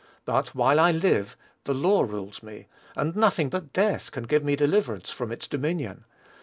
But while I live, the law rules me; and nothing but death can give me deliverance from its dominion.